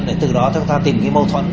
để từ đó chúng ta tìm mâu thuẫn